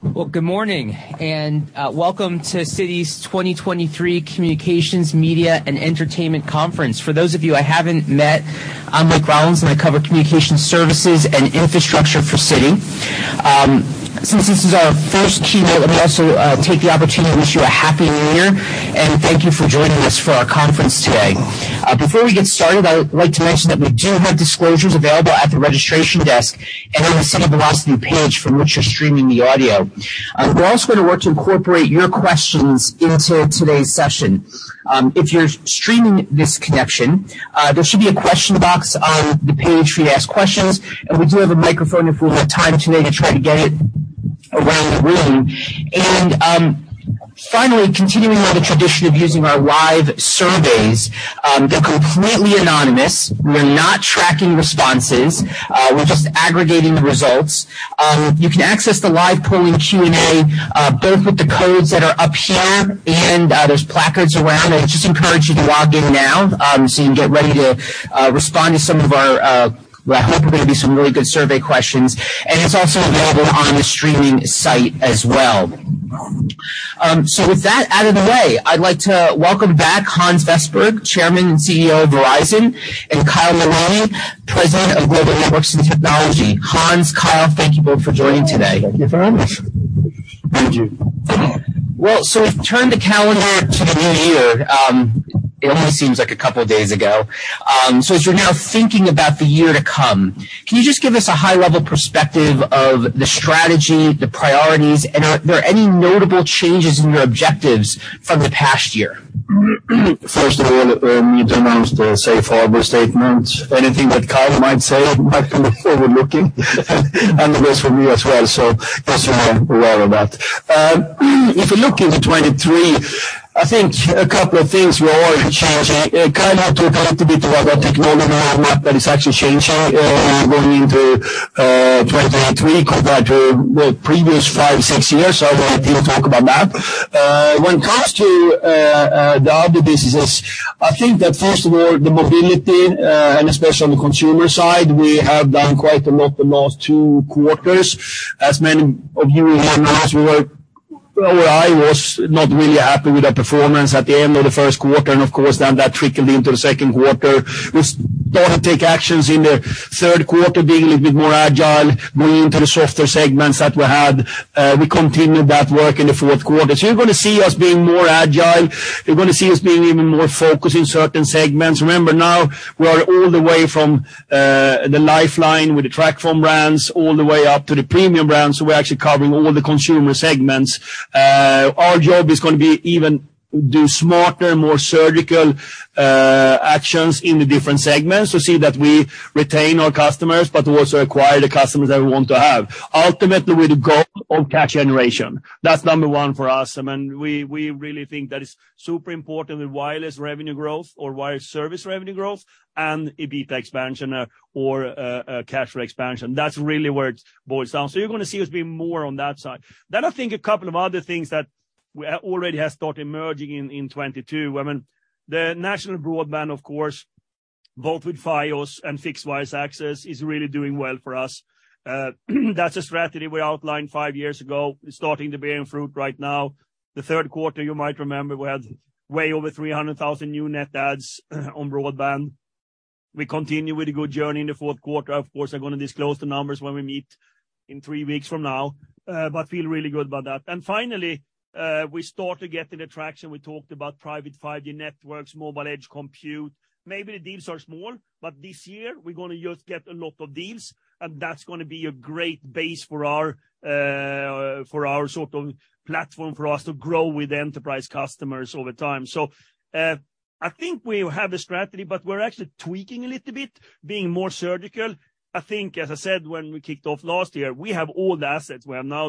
Well, good morning and welcome to Citi's 2023 Communications, Media and Entertainment Conference. For those of you I haven't met, I'm Mike Rollins, and I cover Communications Services and Infrastructure for Citi. Since this is our first keynote, let me also take the opportunity to wish you a happy new year, and thank you for joining us for our conference today. Before we get started, I would like to mention that we do have disclosures available at the registration desk and on the Citi Velocity page from which you're streaming the audio. We're also gonna work to incorporate your questions into today's session. If you're streaming this connection, there should be a question box on the page for you to ask questions, and we do have a microphone if we have time today to try to get it around the room. Finally, continuing on the tradition of using our live surveys, they're completely anonymous. We're not tracking responses, we're just aggregating the results. You can access the live polling and Q&A, both with the codes that are up here and there's placards around. I just encourage you to log in now, so you can get ready to respond to some of our what I hope are gonna be some really good survey questions. It's also available on the streaming site as well. With that out of the way, I'd like to welcome back Hans Vestberg, Chairman and CEO of Verizon, and Kyle Malady, President of Global Networks & Technology. Hans, Kyle, thank you both for joining today. Thank you very much. Thank you. Well, we've turned the calendar to the new year, it only seems like a couple of days ago. As you're now thinking about the year to come, can you just give us a high level perspective of the strategy, the priorities, and are there any notable changes in your objectives from the past year? First of all, let me disarm the safe harbor statements. Anything that Kyle might say might be overlooking and goes for me as well. Just want to be aware of that. If you look into 23, I think a couple of things we are already changing. Kyle had talked a little bit about the technology roadmap that is actually changing, going into 23 compared to the previous five, six years. I'll let you talk about that. When it comes to the other businesses, I think that first of all the mobility, and especially on the consumer side, we have done quite a lot the last two quarters. As many of you may know, I was not really happy with the performance at the end of the first quarter, and of course then that trickled into the second quarter. We start to take actions in the third quarter, being a little bit more agile, moving into the softer segments that we had. We continued that work in the fourth quarter. You're gonna see us being more agile. You're gonna see us being even more focused in certain segments. Remember now we are all the way from the lifeline with the TracFone brands all the way up to the premium brands. We're actually covering all the consumer segments. Our job is gonna be even do smarter, more surgical actions in the different segments to see that we retain our customers, but also acquire the customers that we want to have. Ultimately, with the goal of cash generation, that's number one for us. I mean, we really think that is super important with wireless revenue growth or wireless service revenue growth and EBITDA expansion or cash flow expansion. That's really where it boils down. You're gonna see us being more on that side. I think a couple of other things that already has started emerging in 2022. I mean, the national broadband of course, both with Fios and fixed wireless access is really doing well for us. That's a strategy we outlined five years ago. It's starting to bearing fruit right now. The third quarter you might remember, we had way over 300,000 new net adds on broadband. We continue with a good journey in the fourth quarter. Of course, I'm gonna disclose the numbers when we meet in three weeks from now. Feel really good about that. Finally, we start to get the traction. We talked about private 5G networks, mobile edge compute. Maybe the deals are small, but this year we're going to just get a lot of deals, and that's going to be a great base for our sort of platform for us to grow with enterprise customers over time. I think we have a strategy, but we're actually tweaking a little bit, being more surgical. I think, as I said when we kicked off last year, we have all the assets. We have now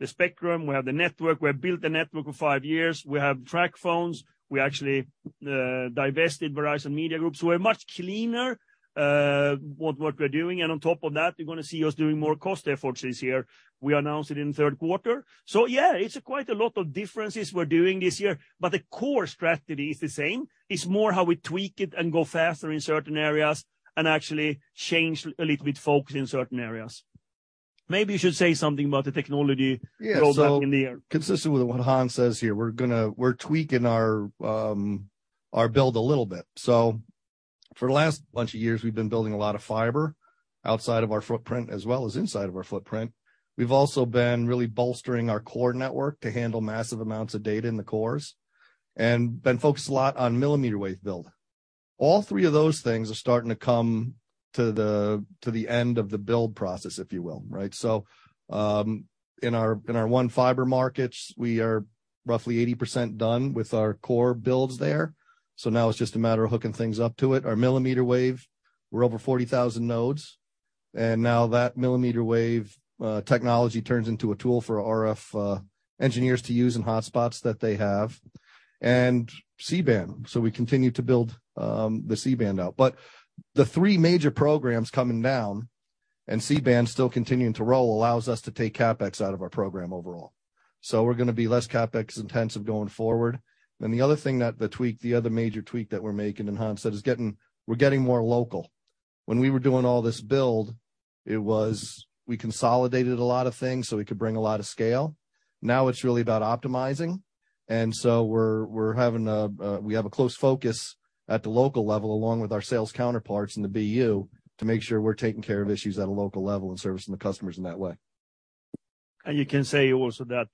the spectrum, we have the network, we have built the network for five years. We have TracFones. We actually divested Verizon Media Group. We're much cleaner what we're doing. On top of that, you're going to see us doing more cost efforts this year. We announced it in third quarter. Yeah, it's quite a lot of differences we're doing this year, but the core strategy is the same. It's more how we tweak it and go faster in certain areas and actually change a little bit focus in certain areas. Maybe you should say something about the technology roadmap in the year. Yeah. Consistent with what Hans says here, we're tweaking our build a little bit. For the last bunch of years, we've been building a lot of fiber outside of our footprint as well as inside of our footprint. We've also been really bolstering our core network to handle massive amounts of data in the cores and been focused a lot on millimeter wave build. All three of those things are starting to come to the end of the build process, if you will, right? In our One Fiber markets, we are roughly 80% done with our core builds there. Now it's just a matter of hooking things up to it. Our millimeter wave, we're over 40,000 nodes. Now that millimeter wave technology turns into a tool for RF engineers to use in hotspots that they have. C-band, we continue to build the C-band out. The three major programs coming down and C-band still continuing to roll allows us to take CapEx out of our program overall. We're gonna be less CapEx intensive going forward. The other thing that the tweak, the other major tweak that we're making, and Hans said, we're getting more local. When we were doing all this build, we consolidated a lot of things, so we could bring a lot of scale. Now it's really about optimizing, we're having a. We have a close focus at the local level, along with our sales counterparts in the BU to make sure we're taking care of issues at a local level and servicing the customers in that way. You can say also that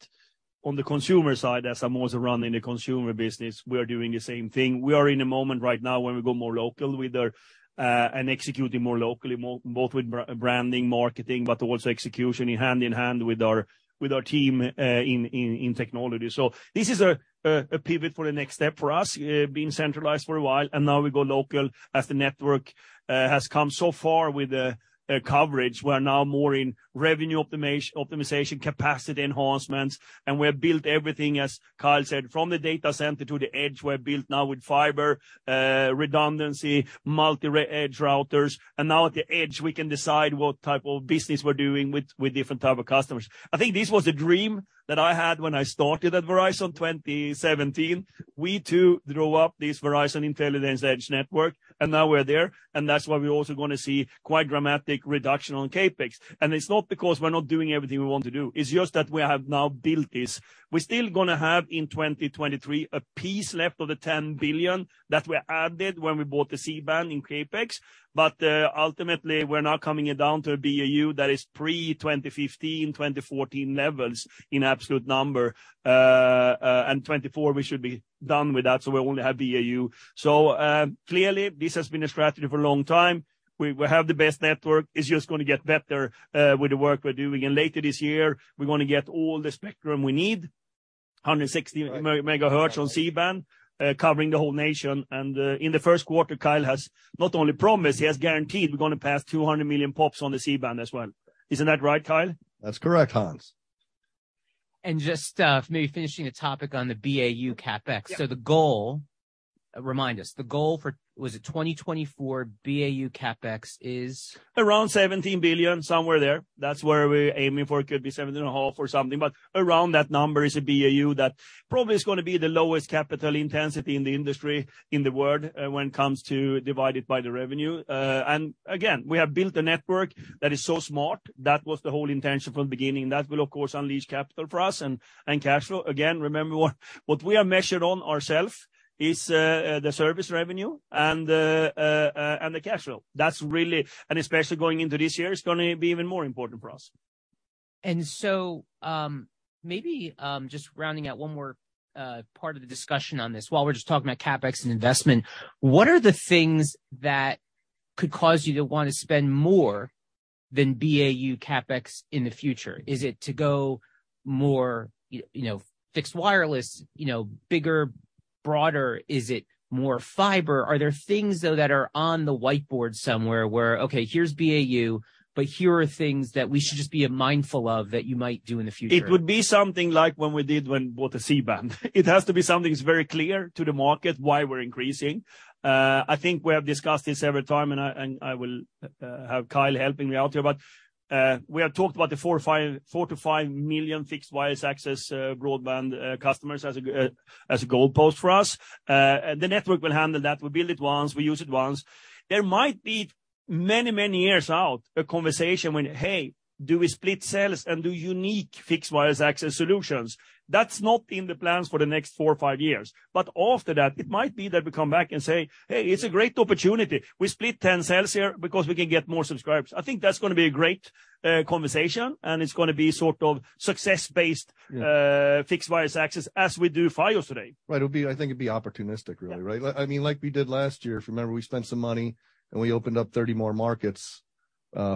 on the consumer side, as I'm also running the consumer business, we are doing the same thing. We are in a moment right now where we go more local with our and executing more locally, both with branding, marketing, but towards the execution in hand-in-hand with our, with our team in technology. This is a pivot for the next step for us, being centralized for a while, and now we go local as the network has come so far with the coverage. We're now more in revenue optimization, capacity enhancements. We have built everything, as Kyle said, from the data center to the edge. We're built now with fiber redundancy, multi-edge routers. Now at the edge, we can decide what type of business we're doing with different type of customers. I think this was a dream that I had when I started at Verizon in 2017. We too drew up this Verizon Intelligent Edge Network, now we're there, that's why we're also gonna see quite dramatic reduction on CapEx. It's not because we're not doing everything we want to do. It's just that we have now built this. We're still gonna have in 2023 a piece left of the $10 billion that were added when we bought the C-band in CapEx, ultimately, we're now coming it down to a BAU that is pre-2015, 2014 levels in absolute number. 2024 we should be done with that, we only have BAU. Clearly this has been a strategy for a long time. We, we have the best network. It's just gonna get better with the work we're doing. Later this year we're gonna get all the spectrum we need, 160 MHz on C-band, covering the whole nation. In the first quarter, Kyle has not only promised, he has guaranteed we're gonna pass 200 million pops on the C-band as well. Isn't that right, Kyle? That's correct, Hans. Just, maybe finishing the topic on the BAU CapEx. Yeah. The goal, remind us, the goal for, was it 2024 BAU CapEx is? Around $17 billion, somewhere there. That's where we're aiming for. It could be seventeen and a half or something, but around that number is a BAU that probably is gonna be the lowest capital intensity in the industry in the world when it comes to divided by the revenue. Again, we have built a network that is so smart. That was the whole intention from the beginning. That will of course unleash capital for us and cash flow. Again, remember what we are measured on ourselves is the service revenue and the cash flow. That's really. Especially going into this year, it's gonna be even more important for us. Maybe, just rounding out one more part of the discussion on this while we're just talking about CapEx and investment, what are the things that could cause you to wanna spend more than BAU CapEx in the future? Is it to go more you know, fixed wireless, you know, bigger, broader? Is it more fiber? Are there things though that are on the whiteboard somewhere where, okay, here's BAU, but here are things that we should just be mindful of that you might do in the future? It would be something like when we did when bought a C-band. It has to be something that's very clear to the market why we're increasing. I think we have discussed this every time, and I, and I will have Kyle helping me out here. We have talked about the four or five, 4 million-5 million fixed wireless access broadband customers as a goalpost for us. The network will handle that. We build it once; we use it once. There might be many, many years out a conversation when, "Hey, do we split cells and do unique fixed wireless access solutions?" That's not in the plans for the next four or five years. After that, it might be that we come back and say, "Hey, it's a great opportunity. We split 10 cells here because we can get more subscribers." I think that's gonna be a great, conversation, and it's gonna be sort of success-based. Yeah. Fixed wireless access as we do Fios today. Right. I think it'd be opportunistic really, right? Yeah. I mean, like we did last year, if you remember, we spent some money, and we opened up 30 more markets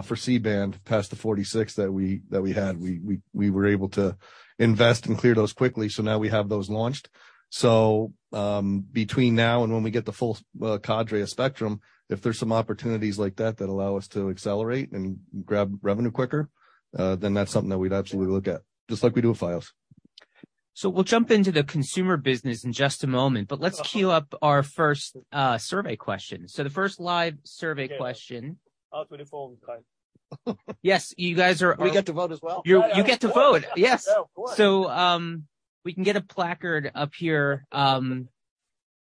for C-band past the 46 that we had. We were able to invest and clear those quickly, now we have those launched. Between now and when we get the full cadre of spectrum, if there's some opportunities like that that allow us to accelerate and grab revenue quicker, then that's something that we'd absolutely look at, just like we do with Fios. We'll jump into the consumer business in just a moment, but let's queue up our first survey question. The first live survey question. Okay. Out with your phone, Kyle. Yes, you guys are. We get to vote as well? Yeah, yeah. Of course. You get to vote. Yes. Yeah, of course. We can get a placard up here.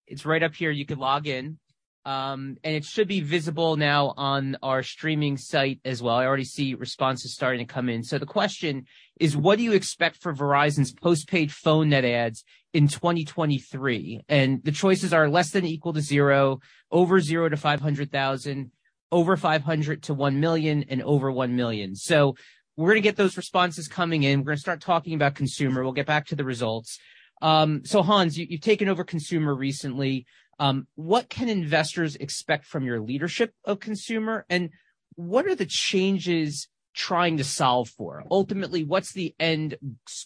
It's right up here. You could log in. It should be visible now on our streaming site as well. I already see responses starting to come in. The question is: What do you expect for Verizon's postpaid phone net adds in 2023? The choices are less than equal to zero, over 0-500,000, over 500-1 million, and over 1 million. We're gonna get those responses coming in. We're gonna start talking about consumer. We'll get back to the results. Hans, you've taken over consumer recently. What can investors expect from your leadership of consumer, and what are the changes trying to solve for. Ultimately, what's the end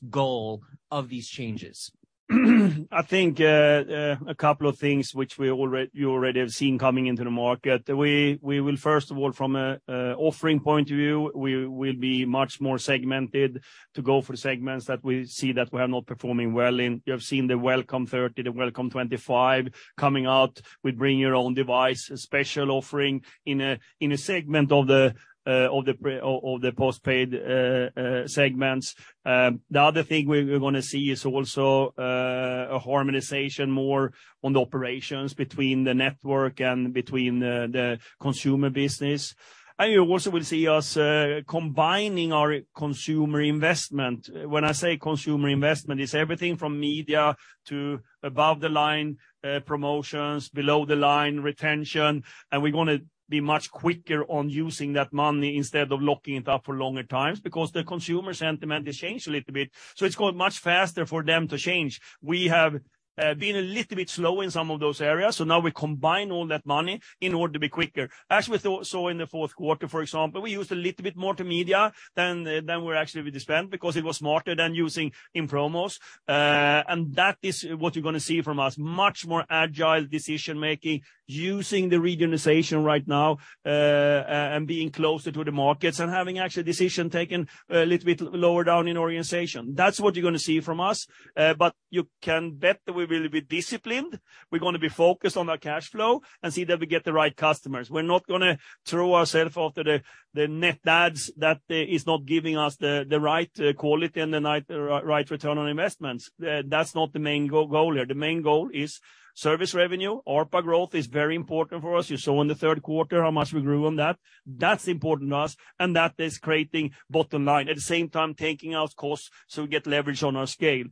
goal of these changes? I think a couple of things which you already have seen coming into the market. We will first of all from a offering point of view, we will be much more segmented to go for segments that we see that we are not performing well in. You have seen the Welcome 30, the Unlimited Welcome coming out with bring your own device, a special offering in a, in a segment of the postpaid segments. The other thing we're gonna see is also a harmonization more on the operations between the network and between the consumer business. You also will see us combining our consumer investment. When I say consumer investment, it's everything from media to above the line promotions, below the line retention. We're gonna be much quicker on using that money instead of locking it up for longer times because the consumer sentiment has changed a little bit, so it's going much faster for them to change. We have been a little bit slow in some of those areas, so now we combine all that money in order to be quicker. As we saw in the fourth quarter, for example, we used a little bit more to media than we actually spent because it was smarter than using in promos. That is what you're gonna see from us. Much more agile decision-making using the regionalization right now, being closer to the markets and having actually decision-taking a little bit lower down in organization. That's what you're gonna see from us. You can bet that we will be disciplined. We're gonna be focused on our cash flow and see that we get the right customers. We're not gonna throw ourself after the net adds that is not giving us the right quality and the right return on investments. That's not the main goal here. The main goal is service revenue. ARPA growth is very important for us. You saw in the third quarter how much we grew on that. That's important to us, and that is creating bottom line. At the same time, taking out costs so we get leverage on our scale.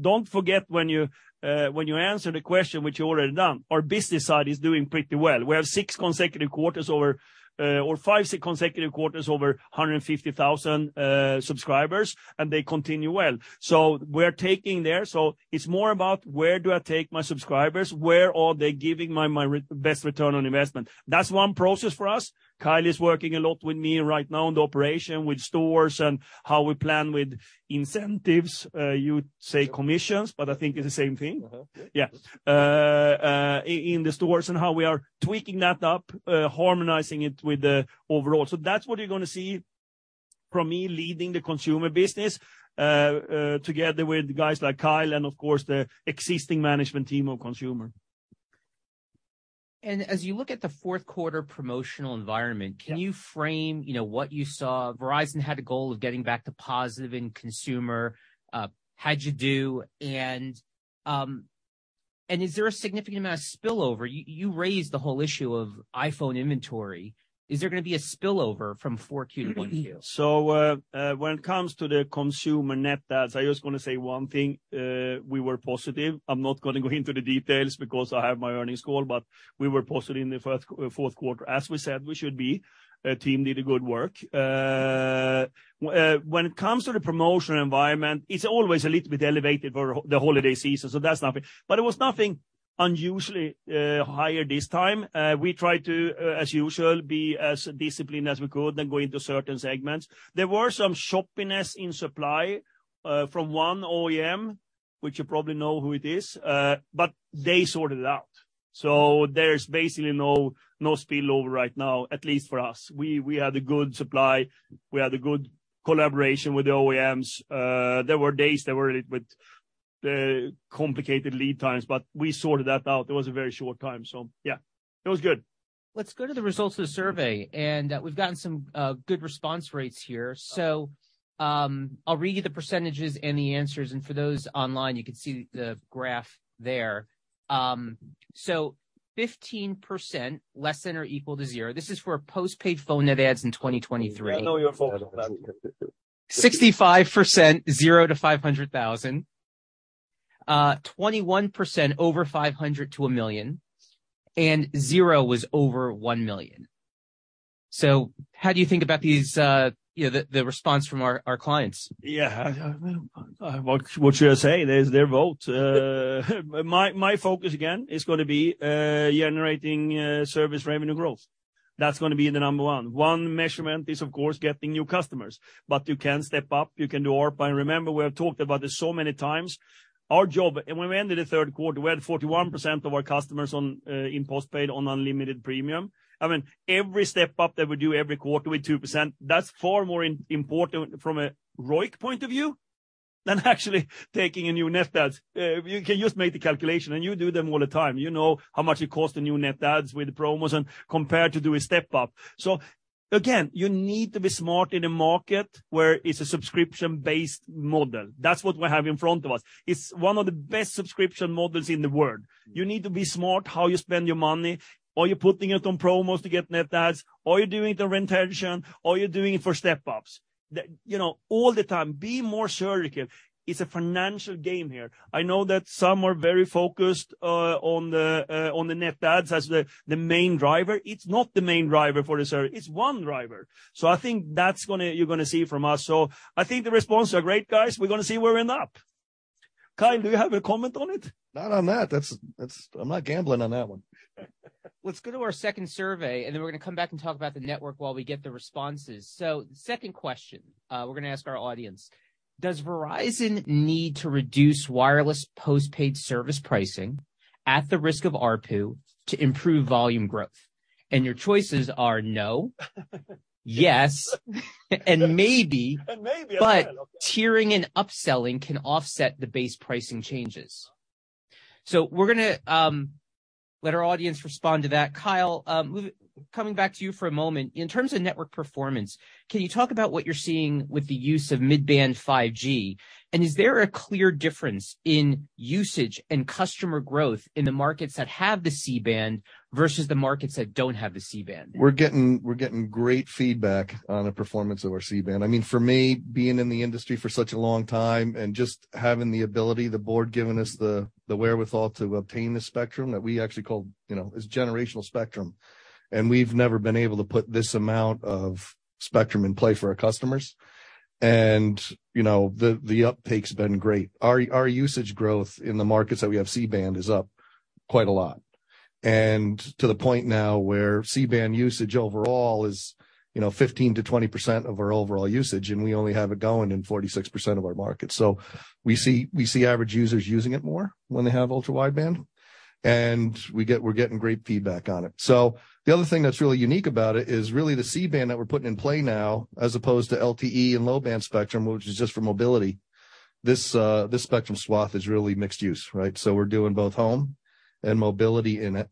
Don't forget when you answer the question which you already done, our business side is doing pretty well. We have five consecutive quarters over 150,000 subscribers, and they continue well. We're taking there. It's more about where do I take my subscribers? Where are they giving my best return on investment? That's one process for us. Kyle is working a lot with me right now on the operation with stores and how we plan with incentives. You'd say commissions, but I think it's the same thing. Mm-hmm. Yeah. In the stores and how we are tweaking that up, harmonizing it with the overall. That's what you're gonna see from me leading the consumer business, together with guys like Kyle and of course, the existing management team of consumer. As you look at the fourth quarter promotional environment. Yeah. can you frame, you know, what you saw? Verizon had a goal of getting back to positive in consumer. How'd you do? Is there a significant amount of spillover? You raised the whole issue of iPhone inventory. Is there gonna be a spillover from 4Q-1Q? When it comes to the consumer net adds, I just wanna say one thing. We were positive. I'm not gonna go into the details because I have my earnings call, but we were positive in the fourth quarter, as we said we should be. Team did a good work. When it comes to the promotional environment, it's always a little bit elevated for the holiday season, so that's nothing. It was nothing unusually higher this time. We tried to, as usual, be as disciplined as we could and go into certain segments. There were some choppiness in supply from one OEM, which you probably know who it is, but they sorted it out. There's basically no spillover right now, at least for us. We had a good supply. We had a good collaboration with the OEMs. There were days there were a little bit complicated lead times, but we sorted that out. It was a very short time. Yeah, it was good. Let's go to the results of the survey. We've gotten some good response rates here. I'll read you the percentages and the answers, and for those online, you can see the graph there. 15% less than or equal to zero. This is for a postpaid phone net adds in 2023. I know you're focused on that. 65%, 0-500,000. 21%, over 500-1 million. Zero was over 1 million. How do you think about these, you know, the response from our clients? Yeah. What should I say? There's their vote. My focus again is gonna be generating service revenue growth. That's gonna be the number one. One measurement is, of course, getting new customers. You can step up; you can do ARPA. Remember, we have talked about this so many times. Our job. When we ended the third quarter, we had 41% of our customers on in postpaid on Unlimited Premium. I mean, every step up that we do every quarter with 2%, that's far more important from a ROIC point of view than actually taking a new net adds. You can just make the calculation, and you do them all the time. You know how much it costs the new net adds with the promos and compared to do a step-up. Again, you need to be smart in a market where it's a subscription-based model. That's what we have in front of us. It's one of the best subscription models in the world. You need to be smart how you spend your money. Are you putting it on promos to get net adds? Are you doing the retention, or you're doing it for step-ups? You know, all the time, be more surgical. It's a financial game here. I know that some are very focused on the net adds as the main driver. It's not the main driver for the service. It's one driver. I think that's gonna you're gonna see from us. I think the responses are great, guys. We're gonna see where we end up. Kyle, do you have a comment on it? Not on that. I'm not gambling on that one. Let's go to our second survey, and then we're gonna come back and talk about the network while we get the responses. Second question, we're gonna ask our audience. Does Verizon need to reduce wireless postpaid service pricing at the risk of ARPU to improve volume growth? Your choices are, Yes, and maybe. But. Tiering and upselling can offset the base pricing changes. We're gonna let our audience respond to that. Kyle, coming back to you for a moment. In terms of network performance, can you talk about what you're seeing with the use of mid-band 5G? Is there a clear difference in usage and customer growth in the markets that have the C-band versus the markets that don't have the C-band? We're getting great feedback on the performance of our C-band. I mean, for me, being in the industry for such a long time and just having the ability, the board giving us the wherewithal to obtain the spectrum that we actually call, you know, is generational spectrum. We've never been able to put this amount of spectrum in play for our customers. You know, the uptake's been great. Our usage growth in the markets that we have C-band is up quite a lot. To the point now where C-band usage overall is, you know, 15%-20% of our overall usage, and we only have it going in 46% of our markets. We see average users using it more when they have Ultra Wideband, and we're getting great feedback on it. The other thing that's really unique about it is really the C-band that we're putting in play now, as opposed to LTE and low-band spectrum, which is just for mobility. This spectrum swath is really mixed use, right? We're doing both home and mobility in it,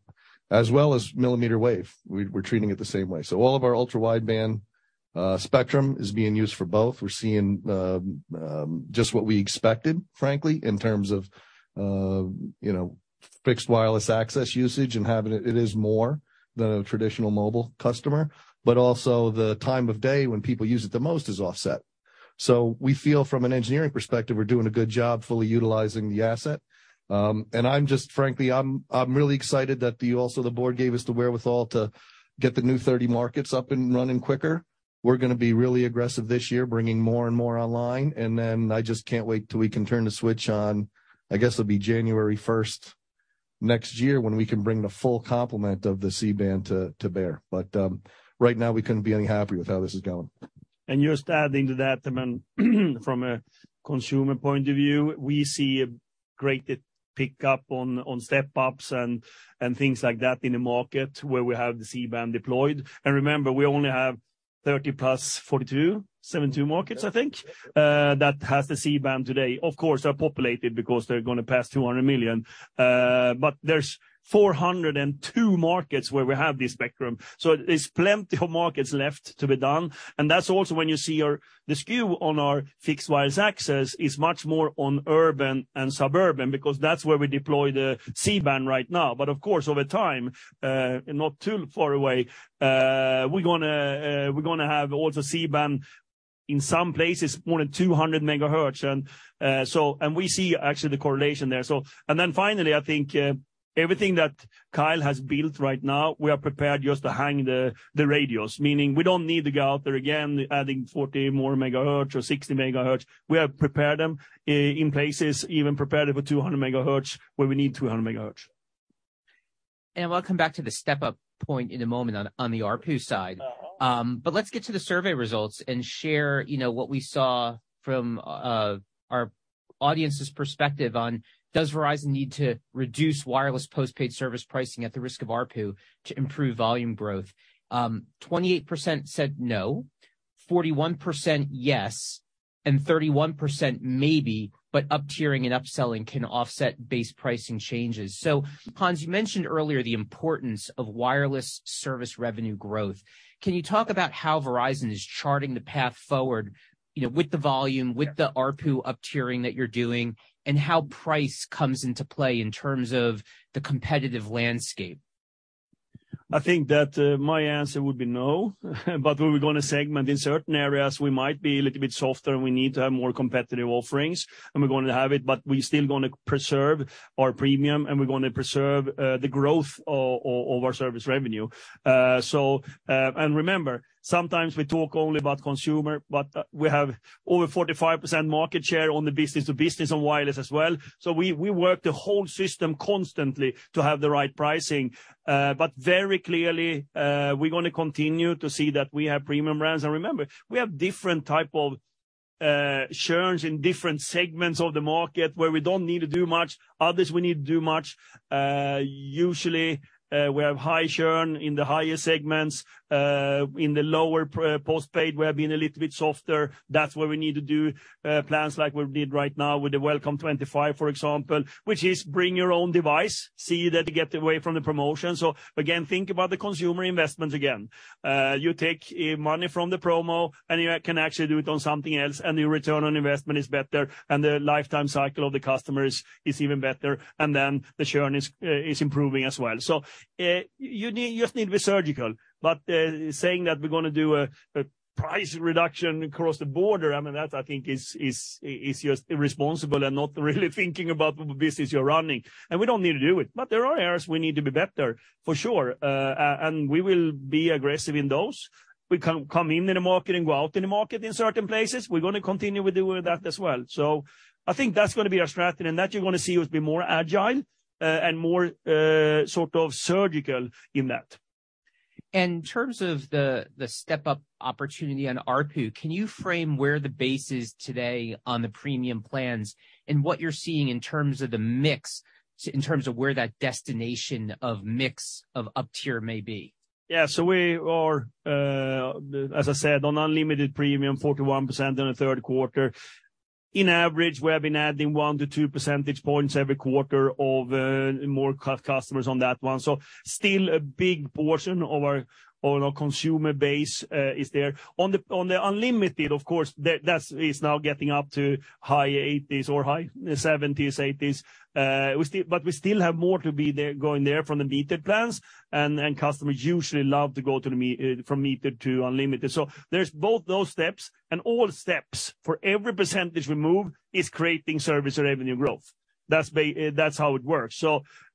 as well as millimeter wave. We're treating it the same way. All of our Ultra Wideband spectrum is being used for both. We're seeing just what we expected, frankly, in terms of, you know, fixed wireless access usage and having it. It is more than a traditional mobile customer, but also the time of day when people use it the most is offset. We feel from an engineering perspective, we're doing a good job fully utilizing the asset. I'm just frankly, I'm really excited that also the board gave us the wherewithal to get the new 30 markets up and running quicker. We're gonna be really aggressive this year, bringing more and more online. I just can't wait till we can turn the switch on, I guess it'll be January first next year when we can bring the full complement of the C-band to bear. Right now we couldn't be any happier with how this is going. Just adding to that, I mean, from a consumer point of view, we see a great pick-up on step-ups and things like that in the market where we have the C-band deployed. Remember, we only have 30 + 42, 72 markets, I think? Yeah. That has the C-band today. Of course, they're populated because they're gonna pass 200 million. There's 402 markets where we have this spectrum, so there's plenty of markets left to be done. That's also when you see the skew on our fixed wireless access is much more on urban and suburban, because that's where we deploy the C-band right now. Of course, over time, not too far away, we're gonna, we're gonna have also C-band in some places more than 200 MHz. We see actually the correlation there. Finally, I think, everything that Kyle has built right now, we are prepared just to hang the radios. Meaning we don't need to go out there again, adding 40 more megahertz or 60 MHz. We have prepared them in places, even prepared it for 200 MHz where we need 200 MHz. We'll come back to the step-up point in a moment on the ARPU side. Let's get to the survey results and share, you know, what we saw from our audience's perspective on does Verizon need to reduce wireless postpaid service pricing at the risk of ARPU to improve volume growth? 28% said no, 41% yes, and 31% maybe, but up-tiering and upselling can offset base pricing changes. Hans, you mentioned earlier the importance of wireless service revenue growth. Can you talk about how Verizon is charting the path forward, you know, with the volume, with the ARPU up-tiering that you're doing, and how price comes into play in terms of the competitive landscape? I think that my answer would be no. Where we're gonna segment in certain areas, we might be a little bit softer, and we need to have more competitive offerings, and we're gonna have it, but we still gonna preserve our premium, and we're gonna preserve the growth over service revenue. Remember, sometimes we talk only about consumer, but we have over 45% market share on the business to business on wireless as well. We work the whole system constantly to have the right pricing. Very clearly, we're gonna continue to see that we have premium brands. Remember, we have different type of churns in different segments of the market where we don't need to do much. Others, we need to do much. Usually, we have high churn in the higher segments. In the lower postpaid, we have been a little bit softer. That's where we need to do plans like we did right now with the Unlimited Welcome, for example, which is bring your own device, see that you get away from the promotion. Again, think about the consumer investment again. You take money from the promo and you can actually do it on something else, and your return on investment is better, and the lifetime cycle of the customer is even better, and then the churn is improving as well. You need, you just need to be surgical. Saying that we're gonna do a price reduction across the border, I mean, that I think is just irresponsible and not really thinking about the business you're running. We don't need to do it. There are areas we need to be better, for sure. And we will be aggressive in those. We come in the market and go out in the market in certain places. We're gonna continue with doing that as well. I think that's gonna be our strategy, and that you're gonna see us be more agile. And more, sort of surgical in that. In terms of the step-up opportunity on ARPU, can you frame where the base is today on the premium plans and what you're seeing in terms of the mix, so in terms of where that destination of mix of up-tier may be? We are, as I said, on Unlimited Premium, 41% in the third quarter. On average, we have been adding 1 percentage points-2 percentage points every quarter of more customers on that one. Still a big portion of our consumer base is there. On the unlimited, of course, that's now getting up to high 80s or high 70s, 80s. We still have more to be there, going there from the metered plans. Customers usually love to go to the from metered to unlimited. There's both those steps. All steps for every percentage we move is creating service revenue growth. That's how it works.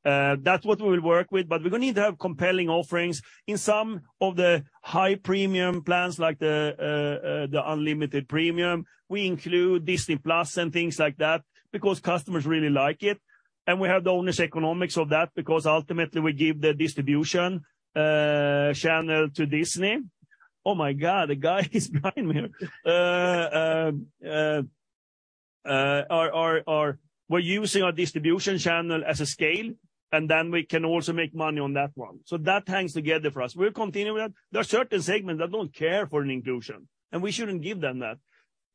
That's what we will work with, but we're gonna need to have compelling offerings. In some of the high premium plans, like the Unlimited Premium, we include Disney+ and things like that because customers really like it, and we have the ownership economics of that because ultimately we give the distribution channel to Disney. Oh my God, the guy is behind me. Our We're using our distribution channel as a scale, and then we can also make money on that one. That hangs together for us. We're continuing that. There are certain segments that don't care for an inclusion, and we shouldn't give them that.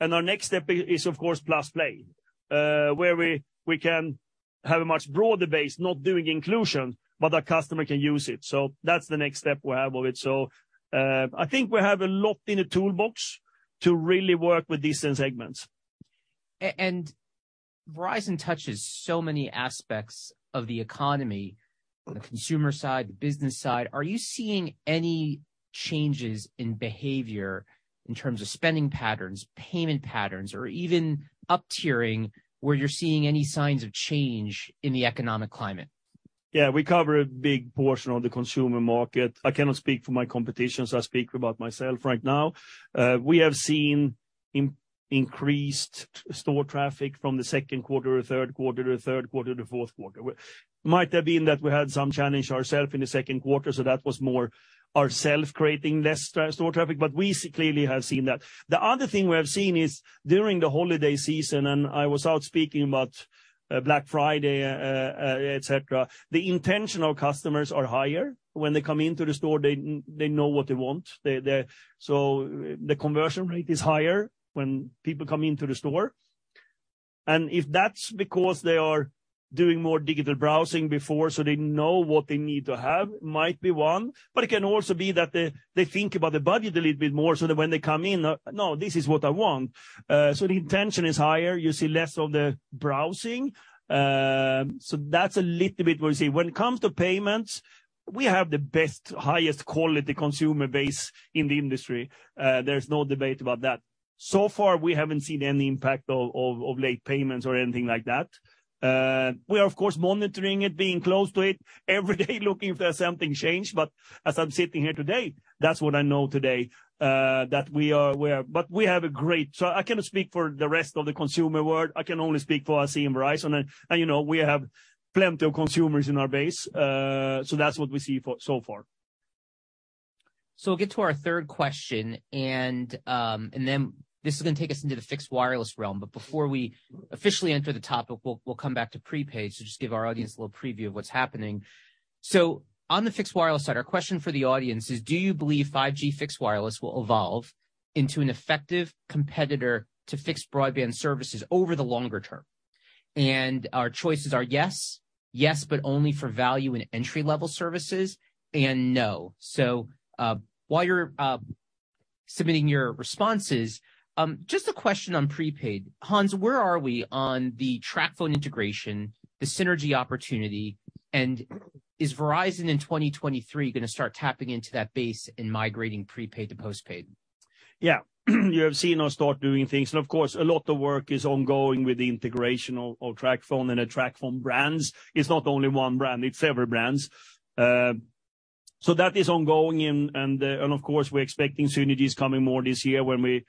Our next step is, of course, +play, where we can have a much broader base, not doing inclusion, but our customer can use it. That's the next step we have of it. I think we have a lot in the toolbox to really work with these segments. Verizon touches so many aspects of the economy, the consumer side, the business side. Are you seeing any changes in behavior in terms of spending patterns, payment patterns, or even up-tiering, where you're seeing any signs of change in the economic climate? Yeah. We cover a big portion of the consumer market. I cannot speak for my competition, so I speak about myself right now. We have seen increased store traffic from the second quarter to third quarter to third quarter to fourth quarter. Might have been that we had some challenge ourself in the second quarter, so that was more ourself creating less store traffic, but we clearly have seen that. The other thing we have seen is during the holiday season, and I was out speaking about Black Friday, et cetera, the intention of customers are higher. When they come into the store, they know what they want. They. The conversion rate is higher when people come into the store. If that's because they are doing more digital browsing before so they know what they need to have, might be one, but it can also be that they think about the budget a little bit more, so that when they come in, "No, this is what I want." The intention is higher. You see less of the browsing. That's a little bit what we see. When it comes to payments, we have the best, highest quality consumer base in the industry. There's no debate about that. So far, we haven't seen any impact of late payments or anything like that. We are of course monitoring it, being close to it, every day looking for something change. As I'm sitting here today, that's what I know today, that we are. We have a great. I cannot speak for the rest of the consumer world, I can only speak for I see in Verizon. You know, we have plenty of consumers in our base. That's what we see for so far. We'll get to our third question, this is gonna take us into the fixed wireless realm. Before we officially enter the topic, we'll come back to prepaid. Just give our audience a little preview of what's happening. On the fixed wireless side, our question for the audience is, do you believe 5G fixed wireless will evolve into an effective competitor to fixed broadband services over the longer term? Our choices are yes, but only for value and entry-level services, and no. While you're submitting your responses, just a question on prepaid. Hans, where are we on the TracFone integration, the synergy opportunity, and is Verizon in 2023 gonna start tapping into that base and migrating prepaid to postpaid? Yeah. You have seen us start doing things, and of course, a lot of work is ongoing with the integration of TracFone and the TracFone brands. It's not only one brand, it's several brands. That is ongoing and of course, we're expecting synergies coming more this year when we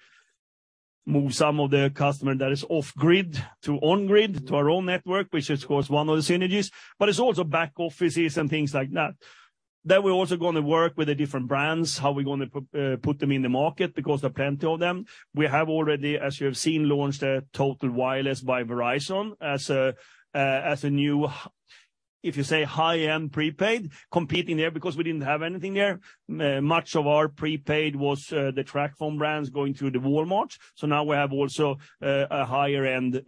move some of the customer that is off-grid to on-grid, to our own network, which is of course one of the synergies, but it's also back offices and things like that. We're also gonna work with the different brands, how we're gonna put them in the market, because there are plenty of them. We have already, as you have seen, launched Total Wireless by Verizon as a new, if you say, high-end prepaid, competing there because we didn't have anything there. Much of our prepaid was the TracFone brands going through the Walmarts. Now we have also a higher end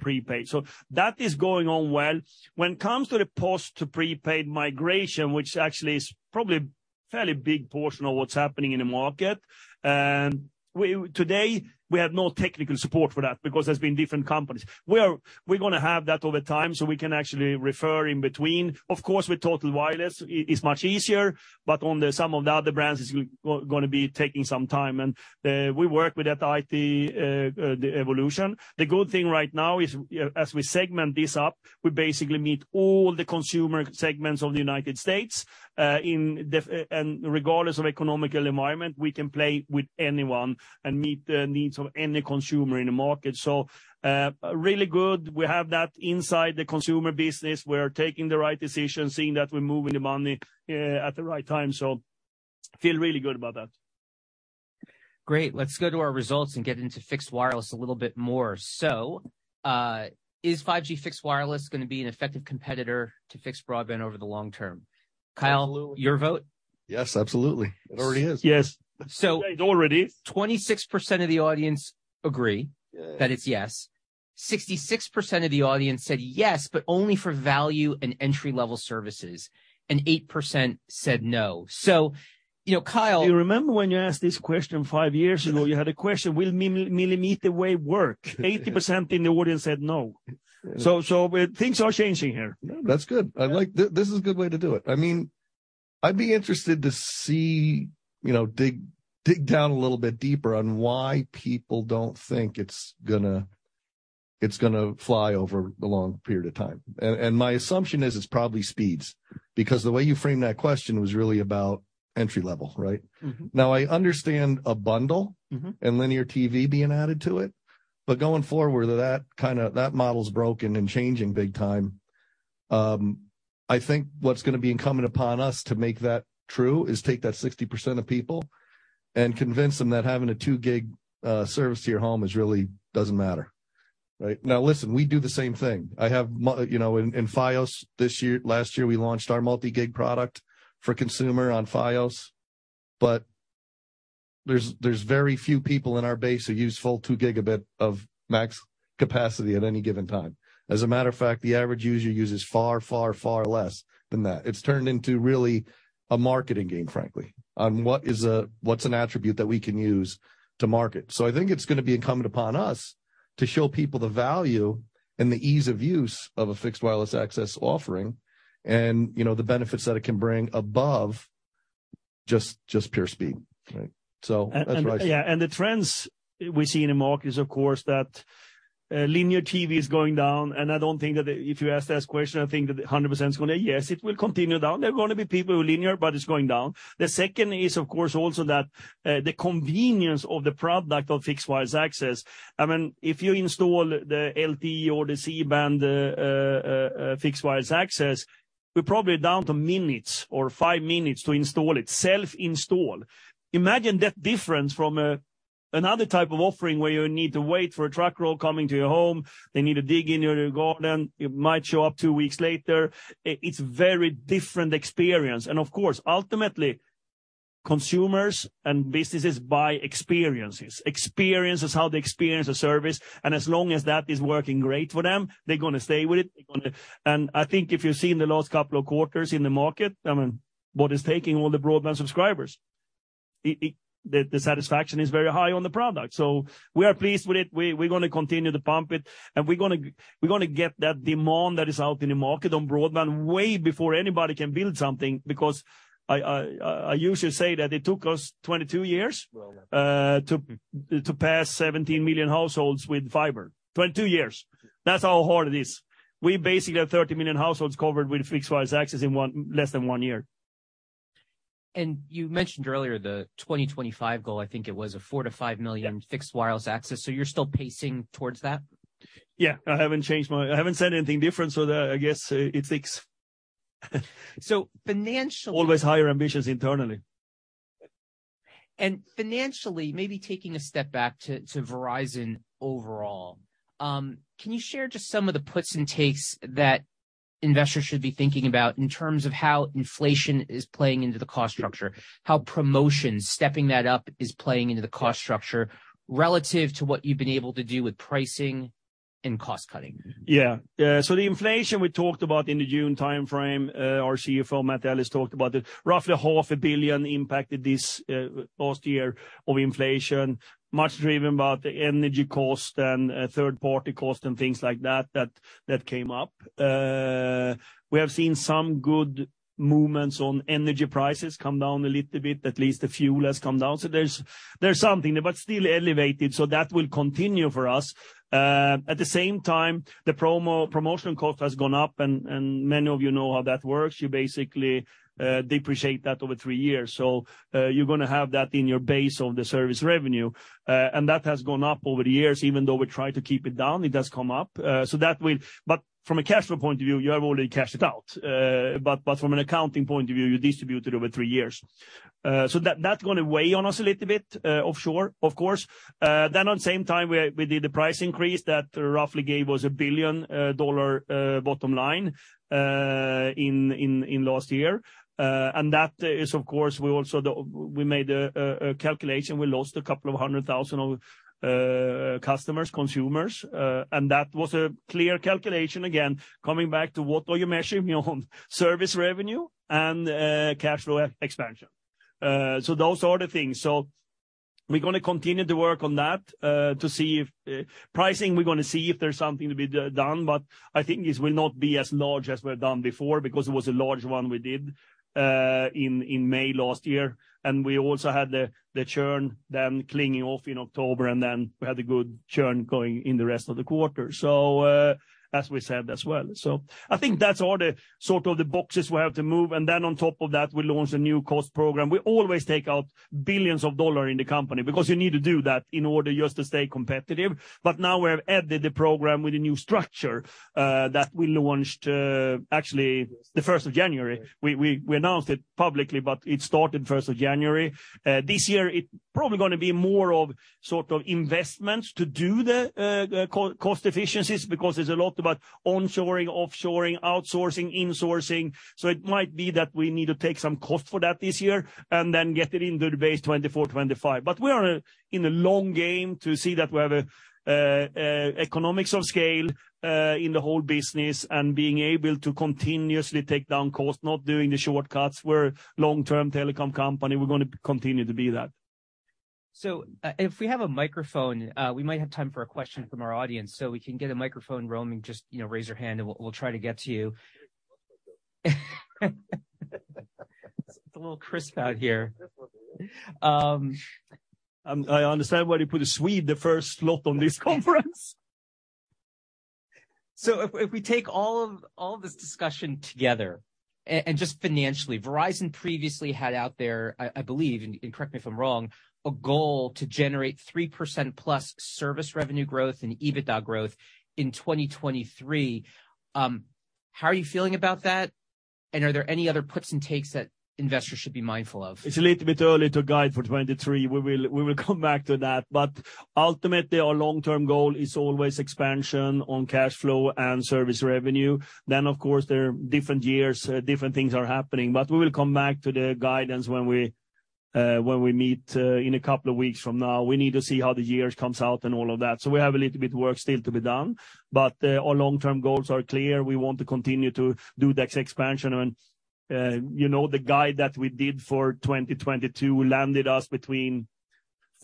prepaid. That is going on well. When it comes to the postpaid to prepaid migration, which actually is probably fairly big portion of what's happening in the market, today, we have no technical support for that because there's been different companies. We're gonna have that over time, so we can actually refer in between. Of course, with Total Wireless, it's much easier, but on some of the other brands, it's gonna be taking some time. We work with that IT the evolution. The good thing right now is, as we segment this up, we basically meet all the consumer segments of the United States. Regardless of economic environment, we can play with anyone and meet the needs of any consumer in the market. Really good. We have that inside the consumer business. We're taking the right decisions, seeing that we're moving the money at the right time. Feel really good about that. Great. Let's go to our results and get into fixed wireless a little bit more. Is 5G fixed wireless gonna be an effective competitor to fixed broadband over the long term? Kyle. Absolutely. Your vote? Yes, absolutely. It already is. So. It already is. 26% of the audience. Yeah. That it's yes. 66% of the audience said yes, but only for value and entry-level services, and 8% said no. you know, Do you remember when you asked this question five years ago, you had a question, will millimeter wave work? Yeah. 80% in the audience said no. Things are changing here. Yeah. That's good. This is a good way to do it. I mean, I'd be interested to see, you know, dig down a little bit deeper on why people don't think it's gonna fly over a long period of time. My assumption is it's probably speeds, because the way you framed that question was really about entry level, right? Mm-hmm. Now, I understand a bundle. Mm-hmm And linear TV being added to it, but going forward, that model is broken and changing big time. I think what's gonna be incumbent upon us to make that true is take that 60% of people and convince them that having a two gig service to your home is really doesn't matter, right? Now, listen, I have you know, in Fios last year, we launched our Multi-Gig product for consumer on Fios. But there's very few people in our base who use full 2 Gb of max capacity at any given time. As a matter of fact, the average user uses far, far, far less than that. It's turned into really a marketing game, frankly, on what's an attribute that we can use to market. I think it's gonna be incumbent upon us to show people the value and the ease of use of a fixed wireless access offering and, you know, the benefits that it can bring above just pure speed. Right. That's what I see. Yeah. The trends we see in the market is, of course, that linear TV is going down, and I don't think that if you ask that question, I think that 100% is gonna, yes, it will continue down. There are gonna be people who are linear, but it's going down. The second is, of course, also that the convenience of the product of fixed wireless access. I mean, if you install the LTE or the C-band fixed wireless access, we're probably down to minutes or 5 minutes to install it. Self-install. Imagine that difference from another type of offering where you need to wait for a truck roll coming to your home, they need to dig in your garden, it might show up two weeks later. It's very different experience. Of course, ultimately, consumers and businesses buy experiences. Experience is how they experience a service, and as long as that is working great for them, they're gonna stay with it. They're gonna. I think if you've seen the last couple of quarters in the market, I mean, what is taking all the broadband subscribers? The satisfaction is very high on the product. We are pleased with it. We're gonna continue to pump it, and we're gonna get that demand that is out in the market on broadband way before anybody can build something. I usually say that it took us 22 years. Well done. To pass 17 million households with fiber, 22 years. That's how hard it is. We basically have 30 million households covered with fixed wireless access in less than one year. You mentioned earlier the 2025 goal. I think it was a $4 million-$5 million. Yeah. fixed wireless access. You're still pacing towards that? Yeah. I haven't said anything different, so I guess it takes. Financially- Always higher ambitions internally. Financially, maybe taking a step back to Verizon overall, can you share just some of the puts and takes that investors should be thinking about in terms of how inflation is playing into the cost structure, how promotions, stepping that up is playing into the cost structure relative to what you've been able to do with pricing and cost-cutting? The inflation we talked about in the June timeframe, our CFO, Matt Ellis, talked about it. Roughly a half a billion impacted this last year of inflation, much driven by the energy cost and third-party cost and things like that that came up. We have seen some good movements on energy prices come down a little bit. At least the fuel has come down. There's something, but still elevated. That will continue for us. At the same time, the promotional cost has gone up, and many of you know how that works. You basically, depreciate that over three years. You're gonna have that in your base of the service revenue. That has gone up over the years, even though we try to keep it down, it does come up. From a cash flow point of view, you have already cashed it out. From an accounting point of view, you distribute it over three years. That's gonna weigh on us a little bit, offshore, of course. On same time, we did a price increase that roughly gave us $1 billion dollar bottom line in last year. That is, of course, we also made a calculation. We lost a couple of 100,000 of customers, consumers, and that was a clear calculation, again, coming back to what are you measuring on service revenue and cash flow expansion. Those are the things. We're gonna continue to work on that to see if pricing, we're gonna see if there's something to be done, but I think this will not be as large as we've done before because it was a large one we did in May last year, and we also had the churn then clinging off in October, and then we had the good churn going in the rest of the quarter. As we said as well. I think that's all the sort of the boxes we have to move, and then on top of that, we launch a new cost program. We always take out billions of dollar in the company because you need to do that in order just to stay competitive. Now we have added the program with a new structure that we launched actually the first of January. We announced it publicly, it started first of January. This year, it probably gonna be more of sort of investments to do the co-cost efficiencies because there's a lot about onshoring, offshoring, outsourcing, insourcing. It might be that we need to take some cost for that this year and then get it into the base 2024/2025. We are in the long game to see that we have a economics of scale in the whole business and being able to continuously take down costs, not doing the shortcuts. We're long-term telecom company. We're gonna continue to be that. If we have a microphone, we might have time for a question from our audience. We can get a microphone roaming, just, you know, raise your hand and we'll try to get to you. It's a little crisp out here. I understand why you put a Swede the first slot on this conference. If we take all of this discussion together and just financially, Verizon previously had out there, I believe, and correct me if I'm wrong, a goal to generate 3%+ service revenue growth and EBITDA growth in 2023. How are you feeling about that, and are there any other puts and takes that investors should be mindful of? It's a little bit early to guide for 2023. We will come back to that. Ultimately, our long-term goal is always expansion on cash flow and service revenue. Of course, there are different years, different things are happening. We will come back to the guidance when we when we meet in a couple of weeks from now. We need to see how the years comes out and all of that. We have a little bit work still to be done, but our long-term goals are clear. We want to continue to do this expansion. You know, the guide that we did for 2022 landed us between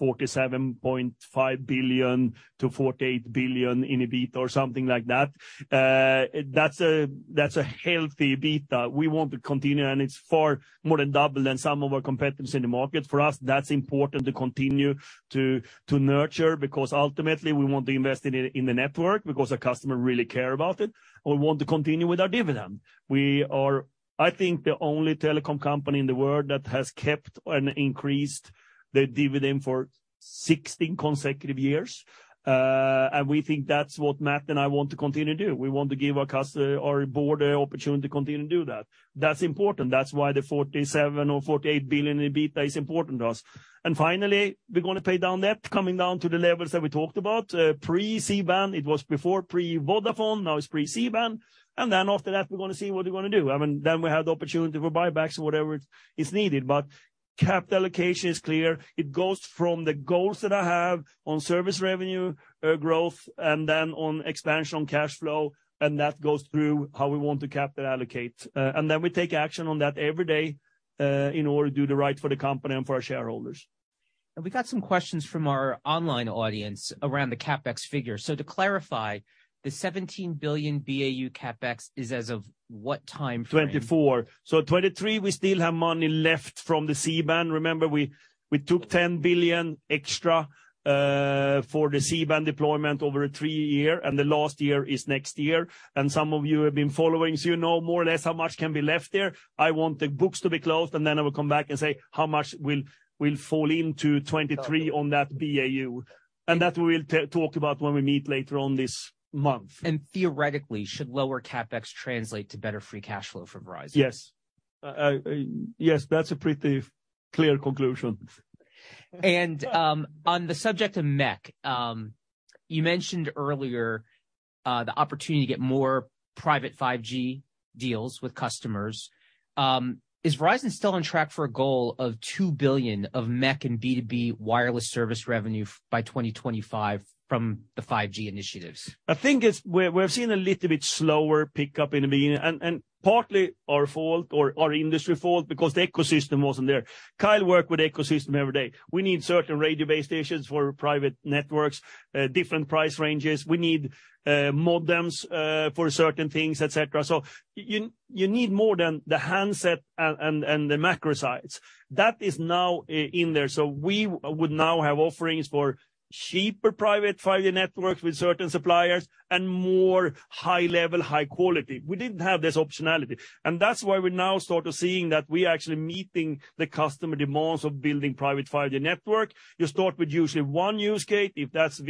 $47.5 billion-$48 billion in EBITDA or something like that. That's a healthy EBITDA. We want to continue, and it's far more than double than some of our competitors in the market. For us, that's important to continue to nurture, because ultimately, we want to invest in the network because our customer really care about it, and we want to continue with our dividend. We are, I think, the only telecom company in the world that has kept and increased the dividend for 16 consecutive years. We think that's what Matt and I want to continue to do. We want to give our customer or our board an opportunity to continue to do that. That's important. That's why the $47 billion or $48 billion in EBITDA is important to us. Finally, we're gonna pay down debt, coming down to the levels that we talked about. Pre-C-band, it was before pre-Vodafone, now it's pre-C-band. After that, we're gonna see what we're gonna do. I mean, we have the opportunity for buybacks or whatever is needed. Capital allocation is clear. It goes from the goals that I have on service revenue, growth, on expansion on cash flow. That goes through how we want to capital allocate. We take action on that every day in order to do the right for the company and for our shareholders. We got some questions from our online audience around the CapEx figure. To clarify, the $17 billion BAU CapEx is as of what timeframe? 2024. 2023, we still have money left from the C-band. Remember, we took $10 billion extra for the C-band deployment over a three-year, and the last year is next year. Some of you have been following, so you know more or less how much can be left there. I want the books to be closed, then I will come back and say how much will fall into 2023 on that BAU. That we'll talk about when we meet later on this month. Theoretically, should lower CapEx translate to better free cash flow for Verizon? Yes. Yes, that's a pretty clear conclusion. On the subject of MEC, you mentioned earlier, the opportunity to get more private 5G deals with customers. Is Verizon still on track for a goal of $2 billion of MEC and B2B wireless service revenue by 2025 from the 5G initiatives? I think we're seeing a little bit slower pickup in the beginning, and partly our fault or our industry fault because the ecosystem wasn't there. Kyle work with ecosystem every day. We need certain radio base stations for private networks, different price ranges. We need modems for certain things, et cetera. You need more than the handset and the macro sites. That is now in there. We would now have offerings for cheaper private 5G networks with certain suppliers and more high level, high quality. We didn't have this optionality. That's why we're now sort of seeing that we are actually meeting the customer demands of building private 5G network. You start with usually one-use case, if that's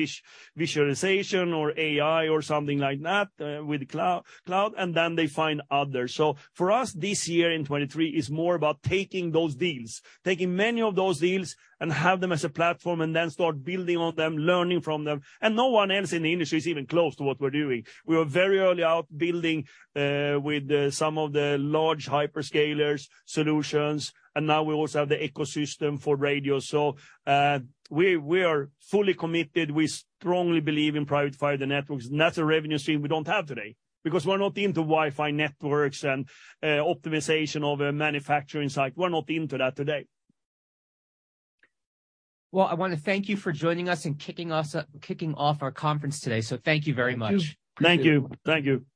visualization or AI or something like that, with cloud, then they find others. For us, this year in 2023 is more about taking those deals, taking many of those deals and have them as a platform and then start building on them, learning from them. No one else in the industry is even close to what we're doing. We were very early out building, with, some of the large hyperscalers solutions, and now we also have the ecosystem for radio. We are fully committed. We strongly believe in private 5G networks, and that's a revenue stream we don't have today because we're not into Wi-Fi networks and, optimization of a manufacturing site. We're not into that today. Well, I wanna thank you for joining us and kicking off our conference today. Thank you very much. Thank you. Thank you.